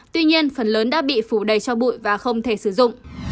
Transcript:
tuy nhiên phần lớn đã bị phủ đầy cho bụi và không thể sử dụng